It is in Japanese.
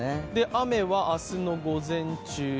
雨は明日の午前中。